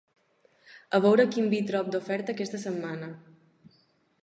A veure quin vi trobo d'oferta aquesta setmana